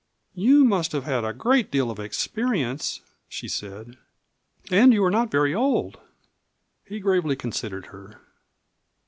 "You must have had a great deal of experience," she said. "And you are not very old." He gravely considered her.